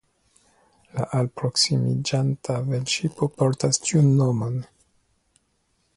La alproksimiĝanta velŝipo portas tiun nomon.